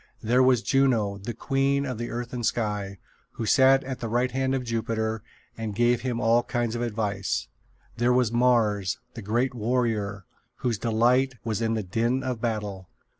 There was Juno, the queen of earth and sky, who sat at the right hand of Jupiter and gave him all kinds of advice. There was Mars, the great warrior, whose delight was in the din of battle.